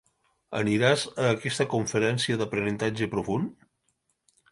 Aniràs a aquesta conferència d'aprenentatge profund?